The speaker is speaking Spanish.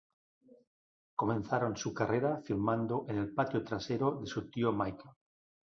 Comenzaron su carrera filmando en el patio trasero de su tío Michael.